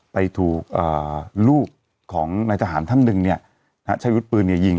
ไปถูกเอ่อลูกของนายทหารท่านหนึ่งเนี้ยฮะใช้ยุทธปืนเนี้ยยิง